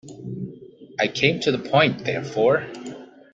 I came to the point, therefore.